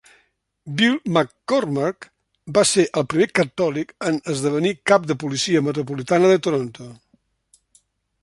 Bill McCormack va ser el primer catòlic en esdevenir cap de policia metropolitana de Toronto.